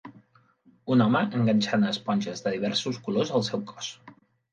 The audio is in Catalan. Un home enganxant esponges de diversos colors al seu cos.